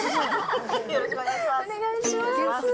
よろしくお願いします。